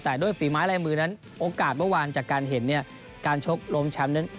แต่ด้วยฝีไม้ลายมือนั้นโอกาสเมื่อวานจากการเห็นเนี่ยการชกลมแชมป์นั้น